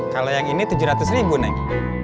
kalau yang ini tujuh ratus ribu naik